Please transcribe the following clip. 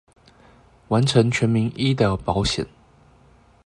完成全民醫療保險